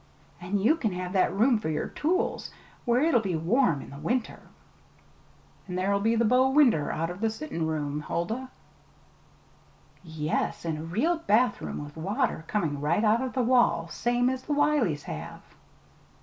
"And you can have the room for your tools where it'll be warm in the winter!" "An' there'll be the bow winder out of the settin' room, Huldah!" "Yes, and a real bathroom, with water coming right out of the wall, same as the Wileys have!"